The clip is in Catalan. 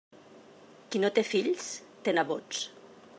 Qui no té fills, té nebots.